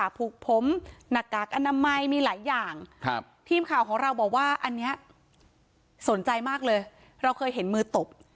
ดูเลยเราเคยเห็นมือตบ